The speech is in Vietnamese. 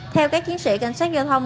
theo các chiến sĩ cảnh sát giao thông